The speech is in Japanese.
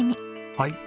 はい。